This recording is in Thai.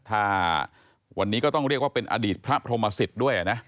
ถ้าวันนี้ก็ต้องเรียกว่าเป็นอดีตพระพรหมสิทธิ์ด้วยนะ